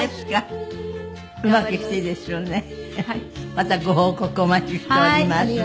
またご報告お待ちしておりますので。